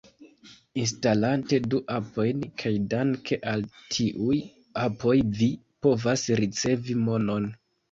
Instalante du apojn, kaj danke al tiuj apoj vi povas ricevi monon